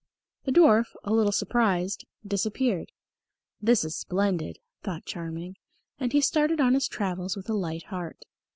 The dwarf, a little surprised, disappeared. "This is splendid," thought Charming, and he started on his travels with a light heart.